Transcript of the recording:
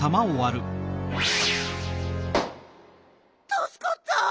たすかった！